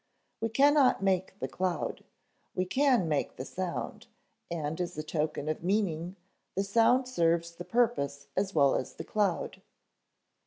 We cannot make the cloud; we can make the sound, and as a token of meaning the sound serves the purpose as well as the cloud.